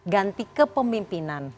ganti ke pemimpinan